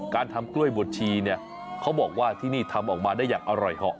การทำกล้วยบวชชีเนี่ยเขาบอกว่าที่นี่ทำออกมาได้อย่างอร่อยเหาะ